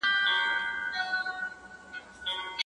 هغه زیاته ډوډۍ چي ماڼۍ ته وړل کیږي، ګرمه ده.